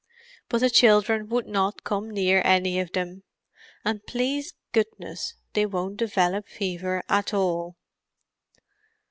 But the children would not come near any of them; and, please goodness, they won't develop fever at all."